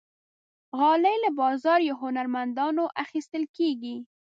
غالۍ له بازار یا هنرمندانو اخیستل کېږي.